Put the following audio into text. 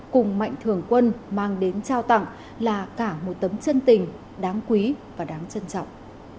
cùng mạnh thường quân mang đến trao tặng là cả một tấm chân tình đáng quý và đáng trân trọng